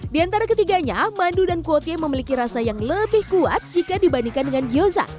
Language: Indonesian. di antara ketiganya mandu dan kuotie memiliki rasa yang lebih kuat jika dibandingkan dengan gyoza